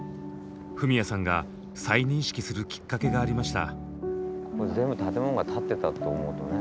フミヤさんが再認識するきっかけがありました。